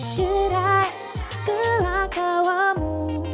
derai gerak awamu